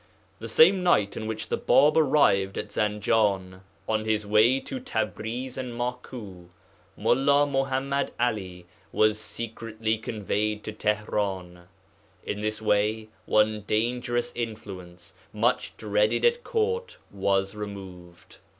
The same night on which the Bāb arrived at Zanjan on his way to Tabriz and Maku, Mullā Muḥammad 'Ali was secretly conveyed to Tihran. In this way one dangerous influence, much dreaded at court, was removed.